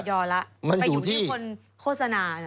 เล็กออยแล้วไปอยู่ที่คนโฆษณา